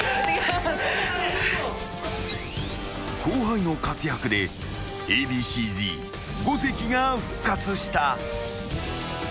［後輩の活躍でＡ．Ｂ．Ｃ−Ｚ五関が復活した］